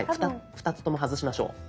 ２つとも外しましょう。